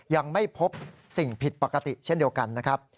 ยังไม่พบสิ่งผิดปกติเช่นเดียวกันนะครับ